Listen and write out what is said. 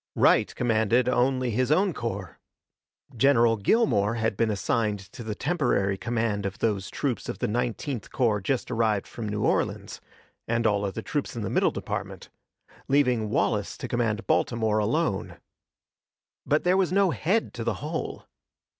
Wright commanded only his own corps. General Gilmore had been assigned to the temporary command of those troops of the Nineteenth Corps just arrived from New Orleans, and all other troops in the Middle Department, leaving Wallace to command Baltimore alone. But there was no head to the whole.